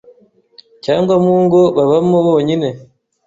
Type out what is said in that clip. cyangwa mu ngo babamo bonyine.